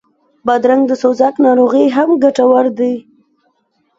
بادرنګ د سوزاک ناروغي کې ګټور دی.